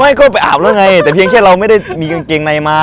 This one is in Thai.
ไม่ก็ไปอาบแล้วไงแต่เพียงแค่เราไม่ได้มีกางเกงในมา